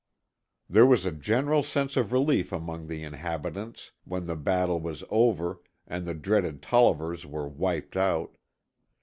There was a general sense of relief among the inhabitants when the battle was over and the dreaded Tollivers were wiped out.